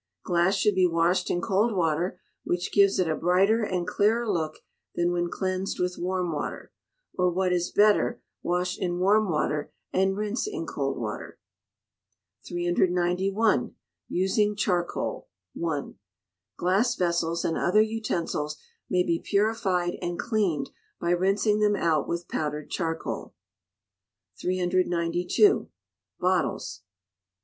Glass should be washed in cold water, which gives it a brighter and clearer look than when cleansed with warm water; or, what is better, wash in warm water and rinse in cold water. 391. Using Charcoal (1). Glass vessels, and other utensils, may be purified and cleaned by rinsing them out with powdered charcoal. 392. Bottles.